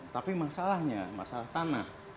tapi masalahnya masalah tanah